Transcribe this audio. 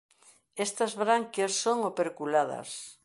Estas branquias son operculadas.